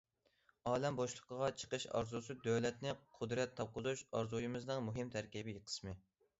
ئالەم بوشلۇقىغا چىقىش ئارزۇسى دۆلەتنى قۇدرەت تاپقۇزۇش ئارزۇيىمىزنىڭ مۇھىم تەركىبىي قىسمى.